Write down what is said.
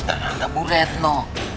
ternyata bu retno